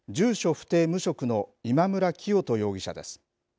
不定無職の今村磨人容疑者です。